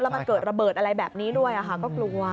มันเกิดระเบิดอะไรแบบนี้ด้วยก็กลัว